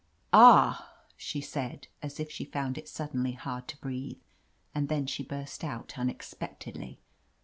"Ah !" she said, as if she found it suddenly hard to breathe. And then she burst out un expectedly.